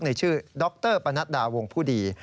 ในชื่อดรปนัดดาวงผู้ดี